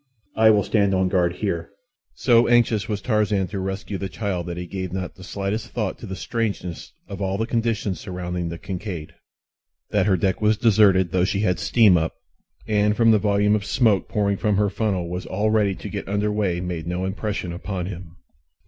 I will stand on guard here." So anxious was Tarzan to rescue the child that he gave not the slightest thought to the strangeness of all the conditions surrounding the Kincaid. That her deck was deserted, though she had steam up, and from the volume of smoke pouring from her funnel was all ready to get under way made no impression upon him.